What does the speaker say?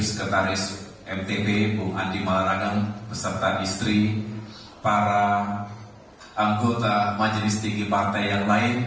sekretaris mtp bung andi malarangeng beserta istri para anggota majelis tinggi partai yang lain